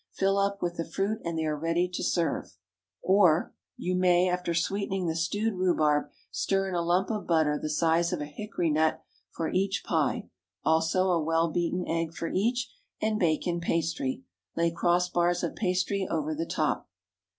Fill up with the fruit and they are ready to serve. Or— ✠ You may, after sweetening the stewed rhubarb, stir in a lump of butter the size of a hickory nut for each pie, also a well beaten egg for each, and bake in pastry. Lay cross bars of pastry over the top.